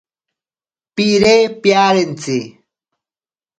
Pire piarentsi.